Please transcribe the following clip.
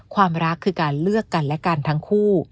ความรักคือการเลือกกันและกันทั้งคู่